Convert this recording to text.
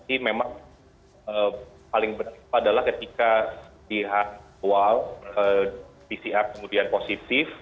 ini memang paling berat adalah ketika di hati awal pcr kemudian positif